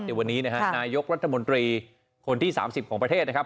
ในวันนี้นะฮะนายกรัฐมนตรีคนที่๓๐ของประเทศนะครับ